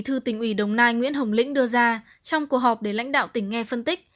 thư tỉnh ủy đồng nai nguyễn hồng lĩnh đưa ra trong cuộc họp để lãnh đạo tỉnh nghe phân tích